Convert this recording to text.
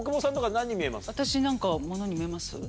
私何か物に見えます？